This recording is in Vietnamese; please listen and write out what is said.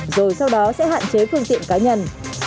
rồi sau đó sẽ hạn chế phương tiện cá nhân